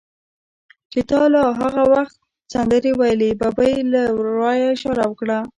چې تا لا هغه وخت سندرې ویلې، ببۍ هم له ورایه اشاره وکړه.